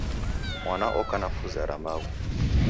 Mwana oka na fuza ra maghu